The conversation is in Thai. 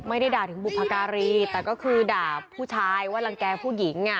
ไม่ได้ด่าถึงบุพการีแต่ก็คือด่าผู้ชายว่ารังแก่ผู้หญิงอ่ะ